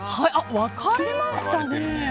分かれましたね。